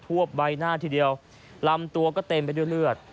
วบใบหน้าทีเดียวลำตัวก็เต็มไปด้วยเลือด